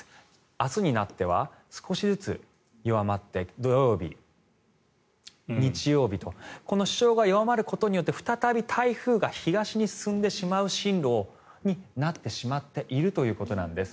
明日になっては少しずつ弱まって土曜日、日曜日とこの主張が弱まることによって再び台風が東に進んでしまう進路になってしまっているということなんです。